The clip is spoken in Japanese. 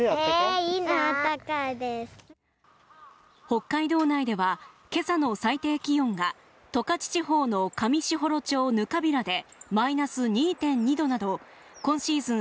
北海道内ではけさの最低気温が十勝地方の上士幌町糠平でマイナス２．２度など今シーズン